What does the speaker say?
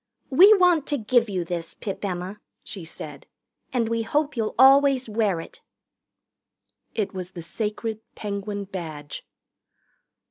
"We want to give you this, Pip Emma," she said, "and we hope you'll always wear it." It was the sacred Penguin Badge.